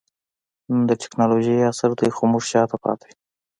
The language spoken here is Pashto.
نن د ټکنالوجۍ عصر دئ؛ خو موږ شاته پاته يو.